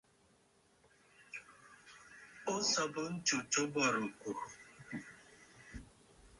O sɔ̀bə ntsu tǒ bɔ̀rɨkòò.